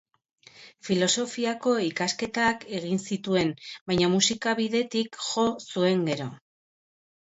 Filosofiako ikasketak egin zituen baina musika bidetik jo zuen gero.